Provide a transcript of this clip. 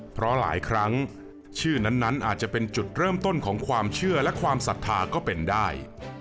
เพราะหลายครั้งชื่อนั้นอาจจะเป็นจุดเริ่มต้นของความเชื่อและความศรัทธาก็เป็นได้